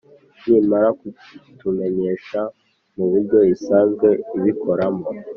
nimara kutumenyesha mu buryo isanzwe ibikoramo